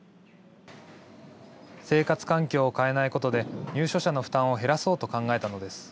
生活環境を変えないことで入所者の負担を減らそうと考えたのです。